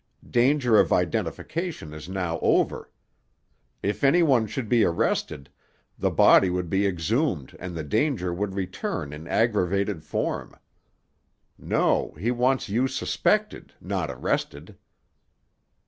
Danger of identification is now over. If any one should be arrested, the body would be exhumed and the danger would return in aggravated form. No; he wants you suspected, not arrested."